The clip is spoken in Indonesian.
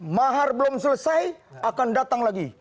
mahar belum selesai akan datang lagi